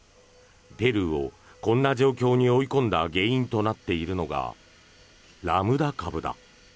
ペルーをこんな状況に追い込んだ原因となっているのがラムダ株だ。